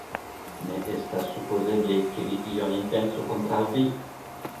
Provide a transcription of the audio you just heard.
Ne estas supozeble, ke li ion intencu kontraŭ vi!